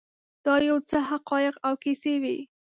دا یو څه حقایق او کیسې وې.